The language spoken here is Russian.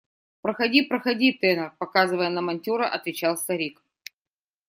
– Проходи, проходи, тенор, – показывая на монтера, отвечал старик.